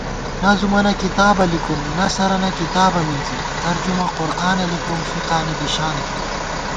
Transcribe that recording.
نظُمَنہ کِتابہ لِکُم، نثَرَنہ کِتابہ مِنزی ترجمہ قرآنہ لِکُم فِقا نی بی شان تھِبہ